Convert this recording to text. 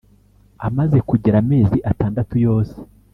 Amaze kugira amezi atandatu yose